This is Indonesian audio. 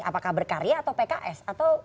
apakah berkarya atau pks